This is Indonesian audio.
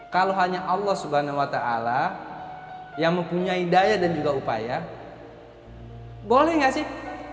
kalau hanya allah swt yang mempunyai daya dan juga upaya boleh nggak sih